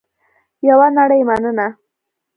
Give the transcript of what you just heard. یوه نړۍ مننه